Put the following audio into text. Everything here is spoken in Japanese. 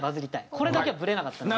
これだけはブレなかった。